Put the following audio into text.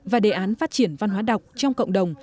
và đề án phát triển văn hóa đọc trong cộng đồng